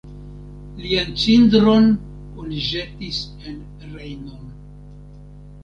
Lian cindron oni ĵetis en Rejnon.